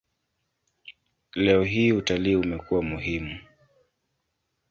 Leo hii utalii umekuwa muhimu.